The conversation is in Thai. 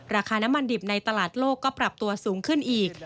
ราคาน้ำมันดิบในตลาดโลกก็ปรับตัวสูงขึ้นอีก